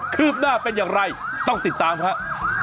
ืบหน้าเป็นอย่างไรต้องติดตามครับ